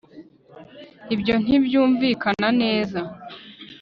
ibyo ntibyumvikana neza